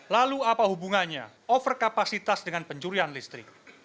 lalu apa hubungannya overkapasitas dengan pencurian listrik